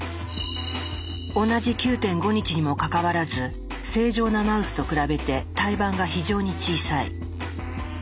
同じ９．５日にもかかわらず正常なマウスと比べて胎盤が非常に小さい。